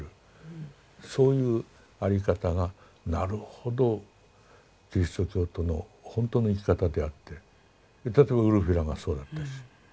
そういう在り方がなるほどキリスト教徒のほんとの生き方であって例えばウルフィラがそうだったし。